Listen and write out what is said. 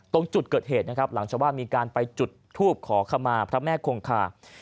ตรงจุดเกิดเหตุนะครับหลังชาวบ้านมีการไปจุดทูปขอขมาพระแม่คงคา